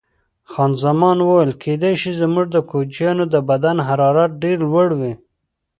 خان زمان وویل: کېدای شي، زموږ د کوچنیانو د بدن حرارت ډېر لوړ وي.